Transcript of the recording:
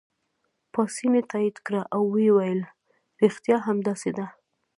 پاسیني تایید کړه او ویې ویل: ریښتیا هم داسې ده.